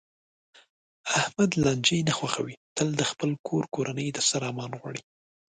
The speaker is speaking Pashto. احمد لانجې نه خوښوي، تل د خپل کور کورنۍ د سر امن غواړي.